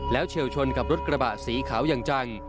แล้วเฉียวชนกับรถกระบะสีขาวอย่างจัง